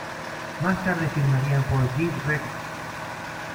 Más tarde firmarían por Jive Records.